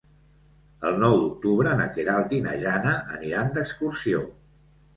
El nou d'octubre na Queralt i na Jana aniran d'excursió.